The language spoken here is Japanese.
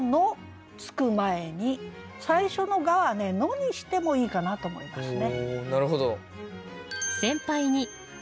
最初の「が」は「の」にしてもいいかなと思いますね。